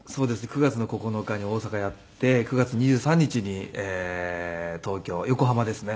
９月の９日に大阪やって９月２３日に東京横浜ですね。